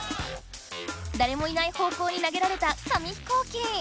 だれもいない方こうに投げられた紙飛行機。